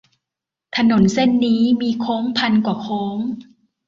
ถนนเส้นนี้มีโค้งพันกว่าโค้ง